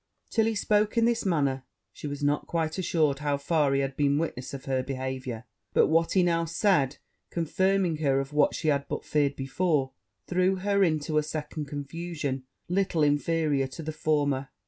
Till he spoke in this manner, she was not quite assured how far he had been witness of her behaviour; but what he now said confirming her of what she had but feared before, threw her into a second confusion little inferior to the former.